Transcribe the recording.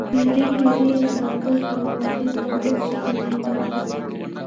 پېړۍ پېړۍ له مرکزي او کارنده دولت څخه بې برخې وه.